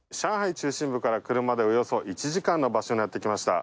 中心部から車でおよそ１時間の場所にやってきました。